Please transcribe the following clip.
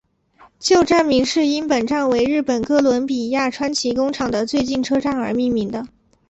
旧站名是因本站为日本哥伦比亚川崎工厂的最近车站而命名。